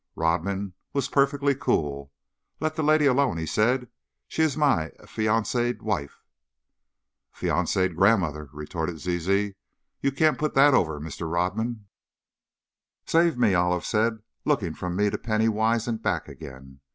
Rodman was perfectly cool. "Let that lady alone," he said; "she is my affianced wife." "Affianced grandmother!" retorted Zizi. "You can't put that over, Mr. Rodman!" "Save me!" Olive said, looking from me to Penny Wise and back again.